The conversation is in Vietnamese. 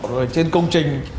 rồi trên công trình